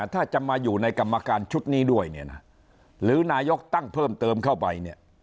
ถ้าจะมาอยู่ในกรรมการชุดนี้ด้วยหรือนายกตั้งเพิ่มเติมเข้าไป